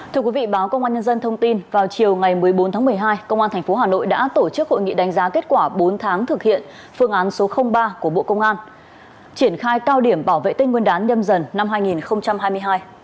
thưa quý vị báo công an nhân dân thông tin vào chiều ngày một mươi bốn tháng một mươi hai công an tp hà nội đã tổ chức hội nghị đánh giá kết quả bốn tháng thực hiện phương án số ba của bộ công an triển khai cao điểm bảo vệ tên nguyên đán nhâm dần năm hai nghìn hai mươi hai